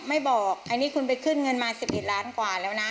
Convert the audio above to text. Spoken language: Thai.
ไม่บอกอันนี้คุณไปขึ้นเงินมา๑๑ล้านกว่าแล้วนะ